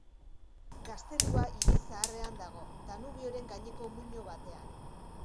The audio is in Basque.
Gaztelua Hiri zaharrean dago, Danubioren gaineko muino batean.